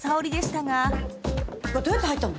てかどうやって入ったの？